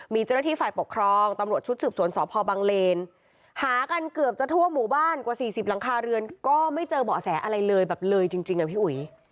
มีเจ้าหน้าที่ฝ่ายปกครองตำรวจชุดสืบสวนสพบังเลนหากันเกือบจะทั่วหมู่บ้านกว่า๔๐หลังคาเรือนก็ไม่เจอเบาะแสอะไรเลยแบบเลยจริงอ่ะพี่อุ๋ย